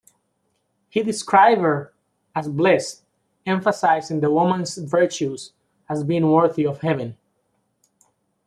He described her as "blessed," emphasizing the woman's virtues as being worthy of heaven.